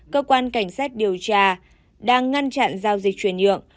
cơ quan cảnh sát điều tra đang ngăn chặn giao dịch chuyển nhượng